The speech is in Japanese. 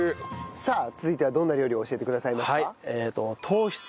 さあ続いてはどんな料理を教えてくださいますか？